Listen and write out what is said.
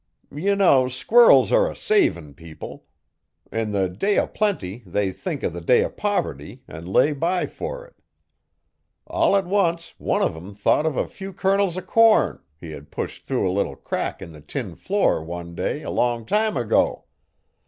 'Ye know squirrels are a savin' people. In the day o' plenty they think o' the day o' poverty an' lay by fer it. All at once one uv 'em thought uv a few kernels o' corn, he hed pushed through a little crack in the tin floor one day a long time ago.